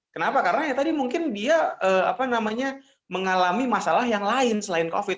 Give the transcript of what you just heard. kenapa karena ya tadi mungkin dia mengalami masalah yang lain selain covid